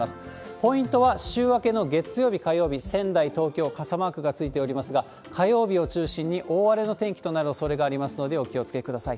ポイントは、週明けの月曜日、火曜日、仙台、東京、傘マークがついておりますが、火曜日を中心に大荒れの天気となるおそれがありますので、お気をつけください。